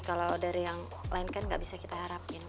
kalau dari yang lain kan nggak bisa kita harapin